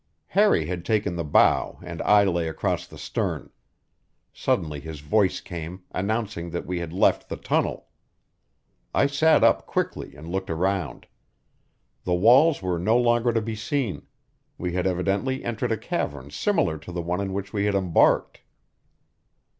Harry had taken the bow and I lay across the stern. Suddenly his voice came, announcing that we had left the tunnel. I sat up quickly and looked round. The walls were no longer to be seen; we had evidently entered a cavern similar to the one in which we had embarked.